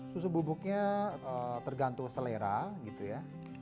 susu bubuknya tergantung selera gitu ya